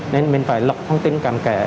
nên mình phải lọc thông tin cạnh kẽ